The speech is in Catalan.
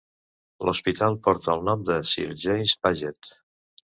L'hospital porta el nom de Sir James Paget.